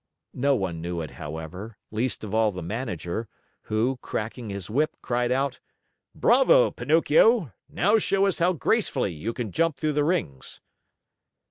No one knew it, however, least of all the Manager, who, cracking his whip, cried out: "Bravo, Pinocchio! Now show us how gracefully you can jump through the rings."